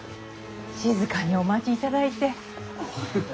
静かにお待ちいただいて。